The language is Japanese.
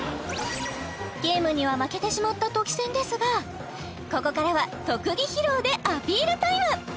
ゲームには負けてしまったとき宣ですがここからは特技披露でアピールタイム